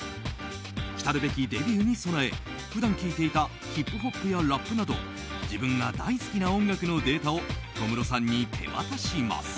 きたるべきデビューに備え普段聴いていたヒップホップやラップなど自分が大好きな音楽のデータを小室さんに手渡します。